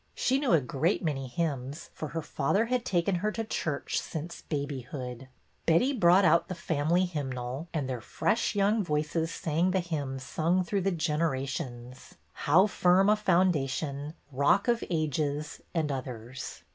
She knew a great many hymns, for her father had taken her to church since babyhood. Betty brought out the family hymnal, and their fresh young voices sang the hymns sung through generations, — '^How Firm a Foundation," "Rock of Ages," and others.